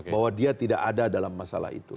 bahwa dia tidak ada dalam masalah itu